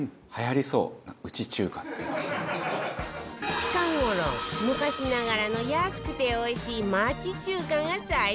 近頃昔ながらの安くておいしい町中華が再注目